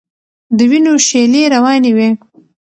د وینو شېلې روانې وې.